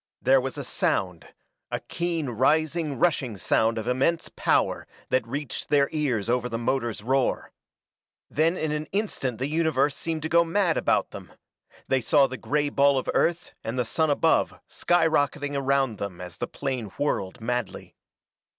There was a sound, a keen rising, rushing sound of immense power that reached their ears over the motor's roar. Then in an instant the universe seemed to go mad about them: they saw the gray ball of Earth and the sun above skyrocketing around them as the plane whirled madly.